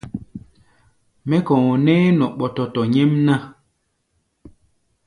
Mɛ́ kɔ̧ɔ̧ nɛ́ɛ́ nɔ ɓɔ́tɔ́tɔ́ nyɛ́mná.